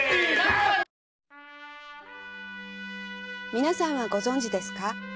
「皆さんはご存じですか？